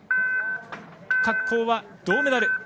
滑降は銅メダル。